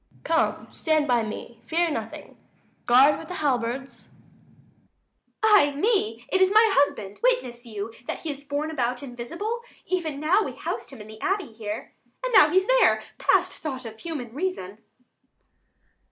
_ Come, stand by me; fear nothing. Guard with halberds! 185 Adr. Ay me, it is my husband! Witness you, That he is borne about invisible: Even now we housed him in the abbey here; And now he's there, past thought of human reason.